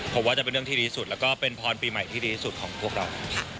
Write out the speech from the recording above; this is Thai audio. ผมว่าจะเป็นเรื่องที่ดีสุดแล้วก็เป็นพรปีใหม่ที่ดีที่สุดของพวกเรา